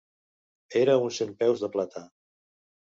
Era un centpeus de plata.